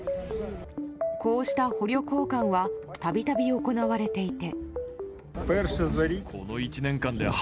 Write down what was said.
こうした捕虜交換はたびたび行われていて。